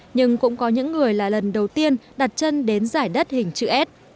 nhưng cũng có những người là lần đầu tiên đặt chân đến giải đất hình chữ s